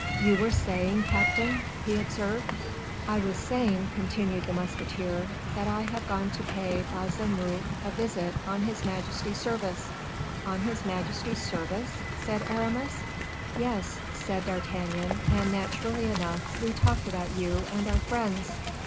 "You were saying, captain?" he observed. "I was saying," continued the musketeer, "that I had gone to pay Baisemeaux a visit on his majesty's service." "On his majesty's service?" said Aramis. "Yes," said D'Artagnan, "and, naturally enough, we talked about you and our friends.